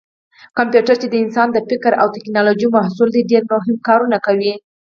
کمپیوټر چې د انسان د فکر او ټېکنالوجۍ محصول دی ډېر مهم کارونه کوي.